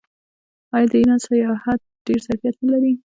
آیا د ایران سیاحت ډیر ظرفیت نلري؟